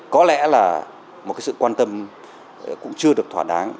có lẽ là một sự quan tâm cũng chưa được thỏa đáng